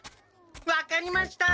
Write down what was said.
分かりました。